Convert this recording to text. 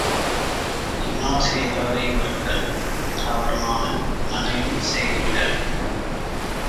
இன்னாசெய் தாரை ஒறத்தல் அவர்நாண நன்னயம் செய்து விடல்.